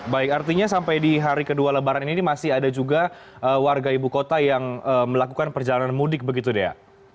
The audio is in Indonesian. baik artinya sampai di hari kedua lebaran ini masih ada juga warga ibu kota yang melakukan perjalanan mudik begitu dea